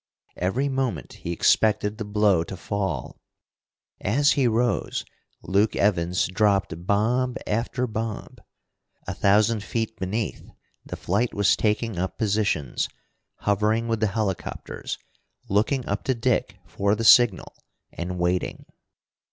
Every moment he expected the blow to fall. As he rose, Luke Evans dropped bomb after bomb. A thousand feet beneath the flight was taking up positions, hovering with the helicopters, looking up to Dick for the signal, and waiting.